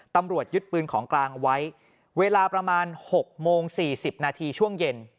ตำรวจยึดปืนของกลางไว้เวลาประมาณ๖โมง๔๐นาทีช่วงเย็น